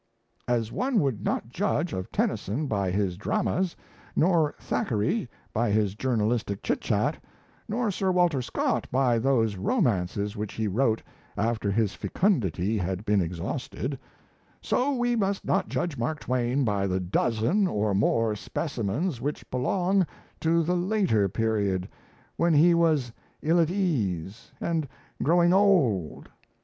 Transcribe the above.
As one would not judge of Tennyson by his dramas, nor Thackeray by his journalistic chit chat, nor Sir Walter Scott by those romances which he wrote after his fecundity had been exhausted, so we must not judge Mark Twain by the dozen or more specimens which belong to the later period, when he was ill at ease and growing old.